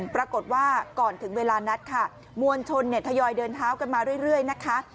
ปรากฏว่าก่อนถึงเวลานัดค่ะมวลชนเนี่ยทยอยเดินเท้ากันมาเรื่อยนะคะ